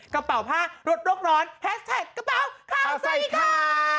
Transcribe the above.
กระเป๋าผ้ารสโรคร้อนแฮสแท็กกระเป๋าข้าวใส่ขา